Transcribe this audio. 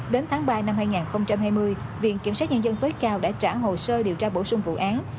đến tháng ba năm hai nghìn hai mươi viện kiểm sát nhân dân tối cao đã trả hồ sơ điều tra bổ sung vụ án